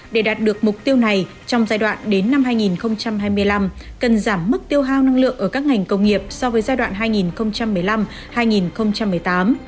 để đạt được mục tiêu này trong giai đoạn đến năm hai nghìn hai mươi năm cần giảm mức tiêu hao năng lượng ở các ngành công nghiệp so với giai đoạn hai nghìn một mươi năm hai nghìn một mươi tám